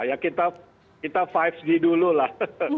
ya kita lima g dulu lah